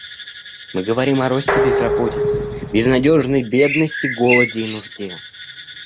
Мы говорим о росте безработицы, безнадежной бедности, голоде и нужде.